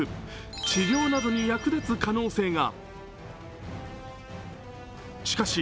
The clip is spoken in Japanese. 治療などに役立つ可能性が。